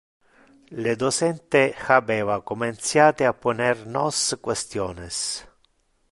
Le docente habeva comenciate a poner nos questiones.